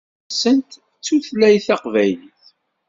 Afud-nsent d tutlayt taqbaylit.